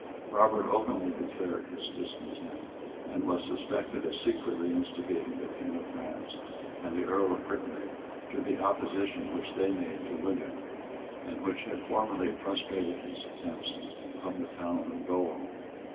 [] Robert openly declared his discontent, and was suspected of secretly instigating the king of France and the earl of Brittany to the opposition which they made to William, and which had formerly frustrated his attempts upon the town of Dol.